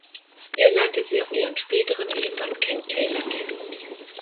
Hier lernte sie auch ihren späteren Ehemann Ken Taylor kennen.